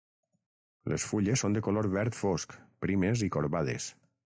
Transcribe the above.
Les fulles són de color verd fosc, primes i corbades.